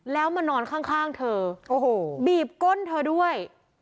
แล้วมานอนข้างเธอโอ้โหบีบก้นเธอด้วย